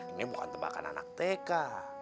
ini bukan tebakan anak tk